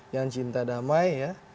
yang cinta damai ya